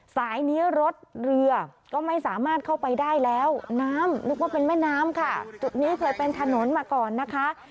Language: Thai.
สายนี้รถเรือก็ไม่สามารถเข้าไปได้แล้วน้ำนึกว่าเป็นแม่น้ำค่ะจุดนี้เคยเป็นถนนมาก่อนนะคะ